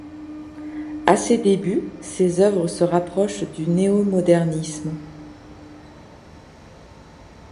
À ses débuts, ses œuvres se rapprochent du néomodernisme.